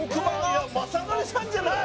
いや雅紀さんじゃない！